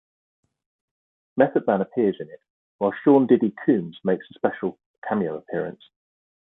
Method Man appears in it, while Sean "Diddy" Combs makes a special cameo appearance.